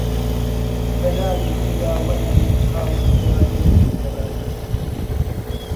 بە ناوی خوداوەندی خاوەن جوانی و میهرەبانی.